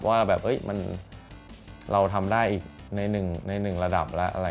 ว่าเราทำได้อีกใน๑ระดับแล้ว